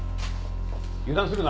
油断するな。